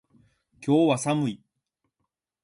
今日は寒い。